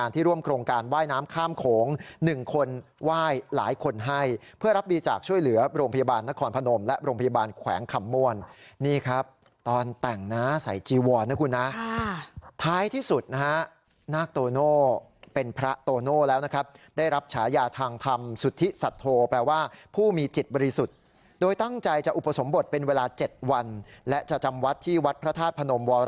ที่ร่วมกรงกาลว่ายน้ำข้ามโขง๑คนว่ายหลายคนให้เพื่อรับบีจากช่วยเหลือโรงพยาบาลนครพนมและโรงพยาบาลขว่างขัมมวลนี่ครับตอนแต่งหน้าใสจีวอร์นะคุณค่ะท้ายที่สุดนะคะนางโตโน่เป็นพระโตโน่แล้วนะครับได้รับฉายาทางธรรมสุทธิสัดโท